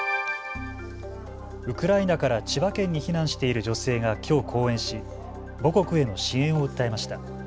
ウクライナから千葉県に避難している女性がきょう講演し母国への支援を訴えました。